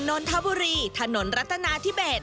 นนทบุรีถนนรัฐนาธิเบส